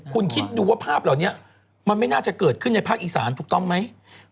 คุณคิดดูว่าภาพเหล่านี้มันไม่น่าจะเกิดขึ้นในภาคอีสานถูกต้องไหม